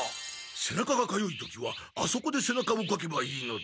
せなかがかゆい時はあそこでせなかをかけばいいのだ。